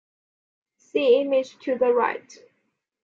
See image to the right.